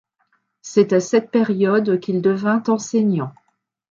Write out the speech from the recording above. C'est à cette période qu'il devint enseignant.